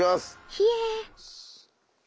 ひえ！